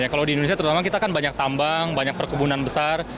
kalau di indonesia terutama kita kan banyak tambang banyak perkebunan besar